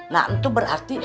nah itu berarti